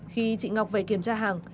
khi chị ngọc về kiểm tra hàng